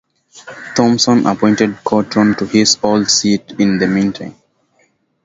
Thomson appointed Cotton to his old seat in the meantime.